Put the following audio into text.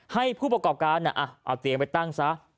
ให้ผู้ประกอบการเอาเตียงไปตั้งซะ